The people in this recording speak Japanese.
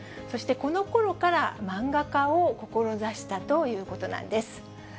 そしてこのころから、漫画家を志したということなんです。